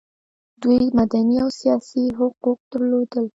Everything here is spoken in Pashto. دوی مدني او سیاسي حقوق درلودل.